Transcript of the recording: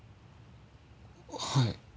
はい。